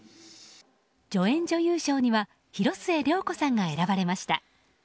助演女優賞には広末涼子さんが選ばれました。